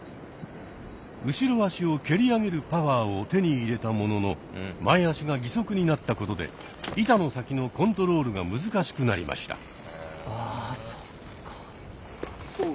後ろ足を蹴り上げるパワーを手に入れたものの前足が義足になったことで板の先のコントロールが難しくなりました。